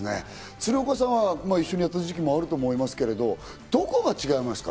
鶴岡さんは一緒にやった時期もあると思いますけど、どこが違いますか？